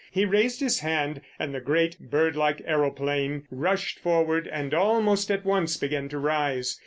He raised his hand and the great, bird like aeroplane rushed forward and almost at once began to rise.